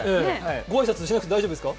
ご挨拶しなくて大丈夫ですか？